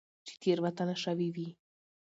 چې تيروتنه شوي وي